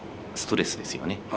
ストレスですよね。